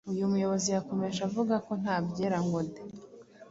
Uyu muyobozi yakomeje avuga ko ntabyera ngo de